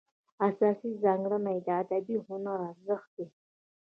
اساسي ځانګړنه یې ادبي هنري ارزښت دی.